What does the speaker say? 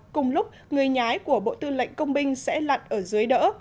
cùng lúc người nhái của bộ tư lệnh công binh sẽ lặn ở dưới đỡ